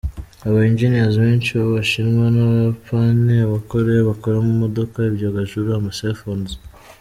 Aba engineers benshi b'abashinwa, abayapani, abakoreya bakora amamodoka, ibyogajuru, ama cellphones.